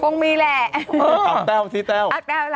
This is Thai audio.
คงมีแหละเอาแต้วสิแต้วล่ะ